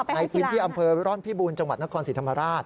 ในพื้นที่อำเภอร่อนพิบูรณ์จังหวัดนครศรีธรรมราช